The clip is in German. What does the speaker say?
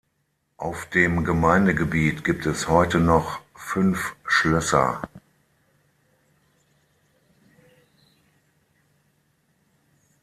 Auf dem Gemeindegebiet gibt es heute noch fünf Schlösser.